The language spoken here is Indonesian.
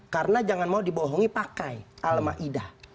karena jangan mau dibohongi pakai al ma'idah